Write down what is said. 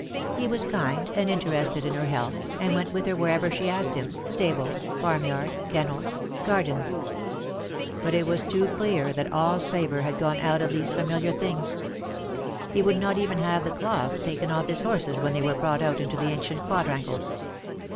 He was kind, and interested in her health, and went with her wherever she asked him, stables, farmyard, kennels, gardens : but it was too clear that all savour had gone out of these familiar things. He would not even have the cloths taken off his horses when they were brought out into the ancient quadrangle.